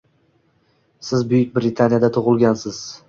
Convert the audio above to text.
Siz Buyuk Britaniyada tugʻilgansiz.